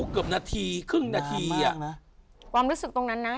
เกือบนาทีครึ่งนาทีอ่ะนะความรู้สึกตรงนั้นนะ